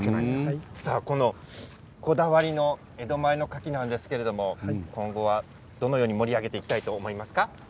このこだわりの江戸前のカキなんですけれど今後はどのように盛り上げていきたいと思いますか？